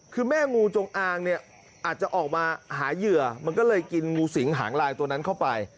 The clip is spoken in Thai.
คือแม่งูจงอางเนี่ยอาจจะออกมาหาเหยื่อมันก็เลยกินงูสิงหางลายตัวนั้นเข้าไป